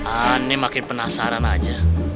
ini makin penasaran aja